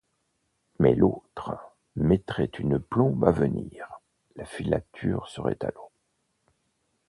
Mais l’autre mettrait une plombe à venir, la filature serait à l’eau.